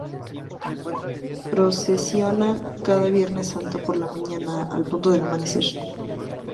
Procesiona cada Viernes Santo por la mañana al punto del amanecer.